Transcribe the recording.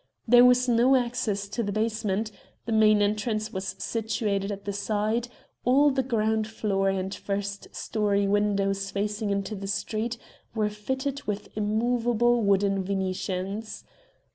There was no access to the basement; the main entrance was situated at the side; all the ground floor and first storey windows facing into the street were fitted with immovable wooden venetians.